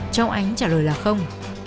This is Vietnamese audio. cháu ánh trả lời là không